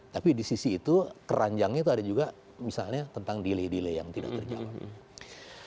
tapi di sisi itu keranjangnya itu ada juga misalnya tentang delay delay yang tidak terjawab